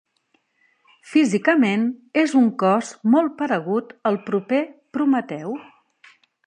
Físicament, és un cos molt paregut al proper Prometeu.